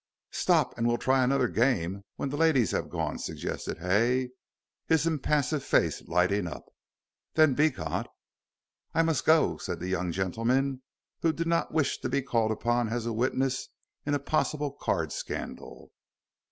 "Stop and we'll try another game when the ladies have gone," suggested Hay, his impassive face lighting up, "then Beecot " "I must go," said the young gentleman, who did not wish to be called upon as a witness in a possible card scandal.